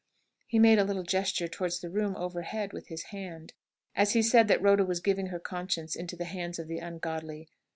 He made a little gesture towards the room overhead with his hand, as he said that Rhoda was giving her conscience into the hands of the ungodly.